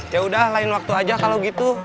yaudah lain waktu aja kalau gitu